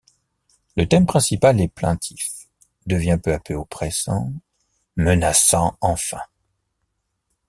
Le thème principal est plaintif, devient peu à peu oppressant, menaçant enfin.